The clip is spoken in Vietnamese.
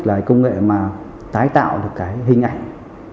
là công nghệ mà tái tạo được hình ảnh